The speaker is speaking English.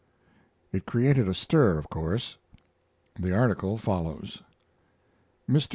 It created a stir, of course. The article follows: MR.